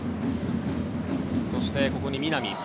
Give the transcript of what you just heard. そして、ここに南。